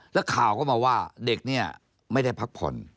แล้วข่าวก็มาว่าเด็กเนี่ยไม่ได้พักผ่อน